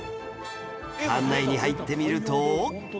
館内に入ってみると